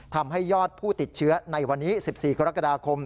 ทำให้ยอดผู้ติดเชื้อในวันนี้๑๔กรกฎาคม